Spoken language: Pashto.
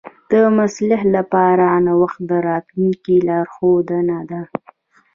د محصل لپاره نوښت د راتلونکي لارښوونه ده.